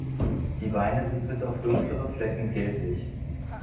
Die Beine sind bis auf dunklere Flecken gelblich.